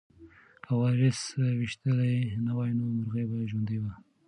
که وارث ویشتلی نه وای نو مرغۍ به ژوندۍ وه.